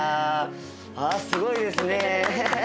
すごいですね。